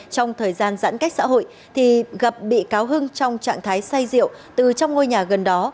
trong thời gian giãn cách xã hội thì gặp bị cáo hưng trong trạng thái say rượu từ trong ngôi nhà gần đó